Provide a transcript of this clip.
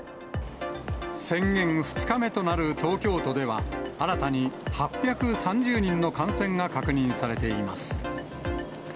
宣言２日目となる東京都では、新たに８３０人の感染が確認されています。